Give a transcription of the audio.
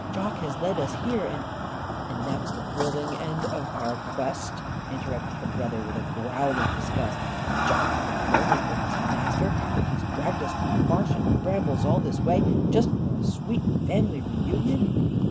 "Jock has led us here, and " "And that's the thrilling end of our quest?" interrupted her brother with a growl of disgust. "Jock got lonely for his master, and he's dragged us through marsh and brambles, all this way, just for a sweet family reunion!